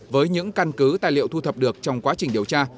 với những căn cứ tài liệu thu thập được trong quá trình điều tra